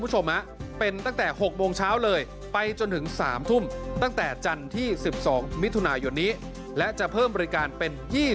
คุณผู้ชมเป็นตั้งแต่๖โมงเช้าเลยไปจนถึง๓ทุ่มตั้งแต่จันทร์ที่๑๒มิถุนายนนี้และจะเพิ่มบริการเป็น๒๐